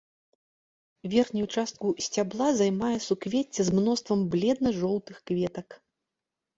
Верхнюю частку сцябла займае суквецце з мноствам бледна-жоўтых кветак.